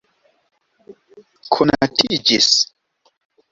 konatiĝis